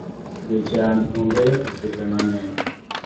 Jochan onge osiepe mang’eny